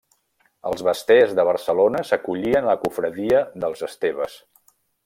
Els basters de Barcelona s'acollien a la confraria dels esteves.